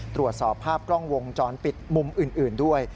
ตรวจสอบภาพกล้องวงจรปิดมุมอื่นด้วย